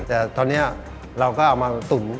แต่ตอนนี้เราก็เอามาตุ๋น